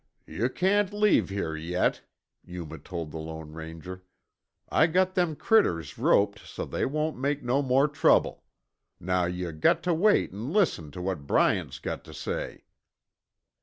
"Yuh can't leave here yet," Yuma told the Lone Ranger. "I got them critters roped so's they won't make no more trouble; now yuh got tuh wait an' listen tuh what Bryant's got tuh say."